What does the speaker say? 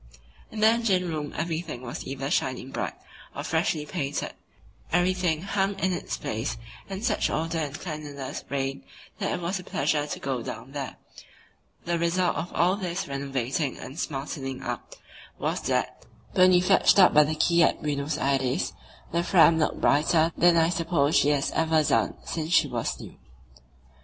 In the engine room everything was either shining bright or freshly painted, everything hung in its place and such order and cleanliness reigned that it was a pleasure to go down there. The result of all this renovating and smartening up was that, when we fetched up by the quay at Buenos Aires, the Fram looked brighter than I suppose she has ever done since she was new.